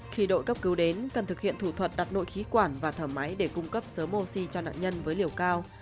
khi đội cấp cứu đến cần thực hiện thủ thuật đặt nội khí quản và thở máy để cung cấp sớm oxy cho nạn nhân với liều cao